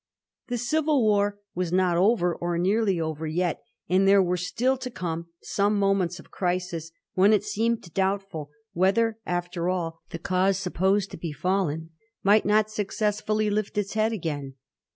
The civil war was not over, or nearly over, yet, and there were still to come some moments of crisis, when it seemed doubtful whether, after all, the cause supposed to be fallen might not successfully lift its head again.